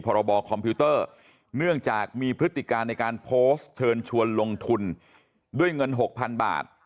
พรบคอมพิวเตอร์เนื่องจากมีพฤติการในการโพสต์เชิญชวนลงทุนด้วยเงินหกพันบาท